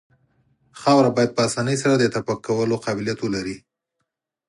خاوره باید په اسانۍ سره د تپک کولو قابلیت ولري